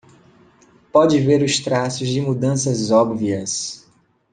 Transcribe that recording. Pode ver os traços de mudanças óbvias